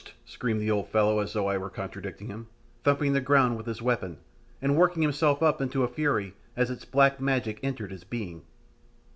screamed the old fellow as though I were contradicting him, thumping the ground with his weapon, and working himself up to a fury as its black magic entered his being.